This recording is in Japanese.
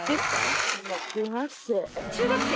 中学生？